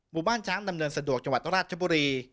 หมู่บ้านช้างดำเนินสะดวกจังหวัดราชบุรี